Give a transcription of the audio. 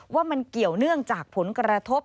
ว่ามันเกี่ยวเนื่องจากผลกระทบ